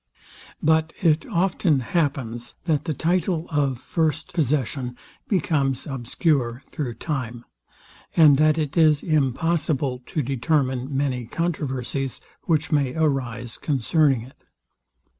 But it often happens, that the title of first possession becomes obscure through time; and that it is impossible to determine many controversies, which may arise concerning it.